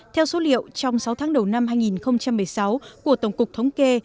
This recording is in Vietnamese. theo số liệu trong sáu tháng đầu năm hai nghìn một mươi sáu của tổng cục thống kê